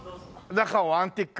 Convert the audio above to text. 中をアンティーク。